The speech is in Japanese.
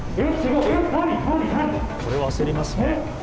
これは焦りますね。